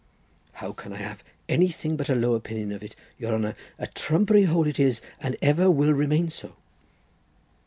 "How can I have anything but a low opinion of it, your honour? A trumpery hole it is, and ever will remain so."